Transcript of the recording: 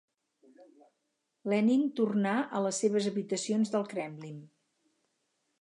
Lenin tornà a les seves habitacions del Kremlin.